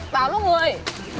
báo lúc người